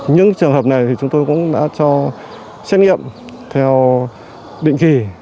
những trường hợp này thì chúng tôi cũng đã cho xét nghiệm theo định kỳ